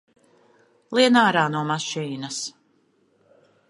Lien ārā no mašīnas!